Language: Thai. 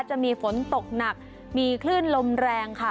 จะมีฝนตกหนักมีคลื่นลมแรงค่ะ